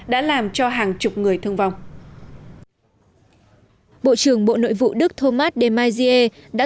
đã làm cho hàng chục người thương vong bộ trưởng bộ nội vụ đức thomas de maizière đã